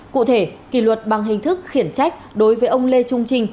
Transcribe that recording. cụ thể kỳ luật bằng hình thức khiển trách đối với ông lê trung trình